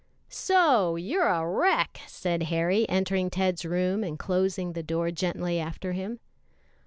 "So, you're a wreck," said Harry, entering Ted's room and closing the door gently after him.